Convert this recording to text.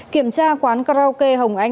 kiểm tra quán karaoke hồng ánh